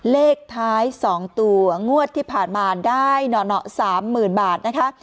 เลขท้าย๒ตัวงวดที่ผ่านมาได้หนอ๓๐๐๐บาทนะคะ